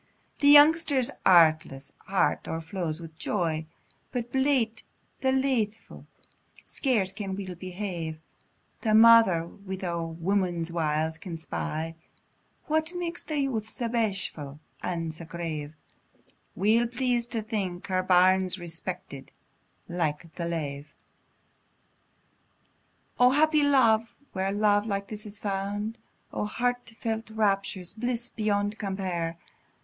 The youngster's artless heart o'erflows wi' joy, But blate an' laithfu', scarce can weel behave; The mother, wi' a woman's wiles, can spy What makes the youth sae bashfu' and sae grave, Weel pleas'd to think her bairn's respected like the lave. O happy love! where love like this is found: O heart felt raptures! bliss beyond compare!